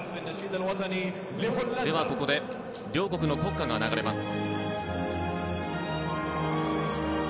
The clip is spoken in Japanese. ここで両国の国歌が流れます。